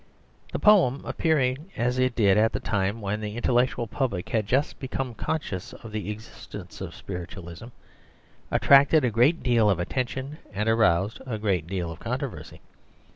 The poem, appearing as it did at the time when the intellectual public had just become conscious of the existence of spiritualism, attracted a great deal of attention, and aroused a great deal of controversy.